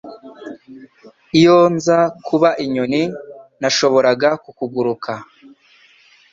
Iyo nza kuba inyoni, nashoboraga kukuguruka.